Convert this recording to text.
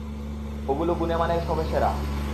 ওগুলো গুনেমানে হবে সেরা!